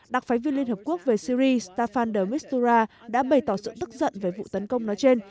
đặc phái viên liên hợp quốc về syri stafan de mistura đã bày tỏ sự tức giận về vụ tấn công nói trên